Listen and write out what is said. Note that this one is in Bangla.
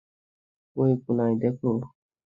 ওই কোণায় দেখো।